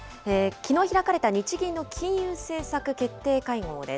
きのう開かれた日銀の金融政策決定会合です。